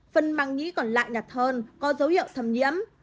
phần màng nhĩ còn lại nhặt hơn có dấu hiệu thâm nhiễm